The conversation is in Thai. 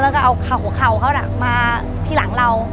แล้วก็เอาหัวเข่าเขามาที่หลังเรา